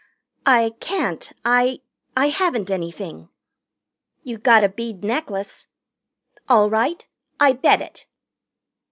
"I can't. I I haven't anything." "You gotta bead necklace." "All right. I bet it."